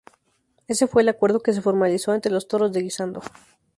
Ese fue el acuerdo que se formalizó ante los Toros de Guisando.